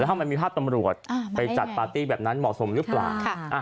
แล้วท่ามันมีภาพตำรวจไปจัดปาร์ตี้แบบนั้นเหมาะสมนึกกลับนะคะ